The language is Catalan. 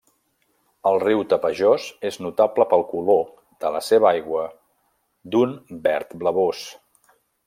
El riu Tapajós és notable pel color de la seva aigua d'un verd blavós.